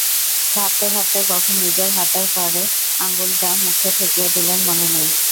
ভাবতে ভাবতে কখন নিজের হাতের কড়ে আঙুলটা মুখে ঠেকিয়ে দিলেন মনে নেই।